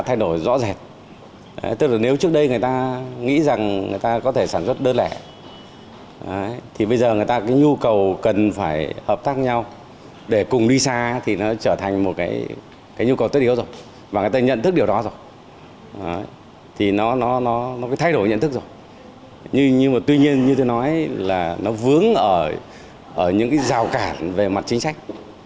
tuy nhiên như tôi nói là nó vướng ở những rào cản về mặt chính sách